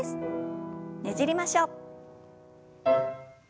ねじりましょう。